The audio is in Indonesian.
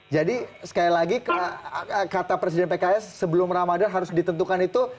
jadi sekali lagi kata presiden pks sebelum ramadan harus ditentukan itu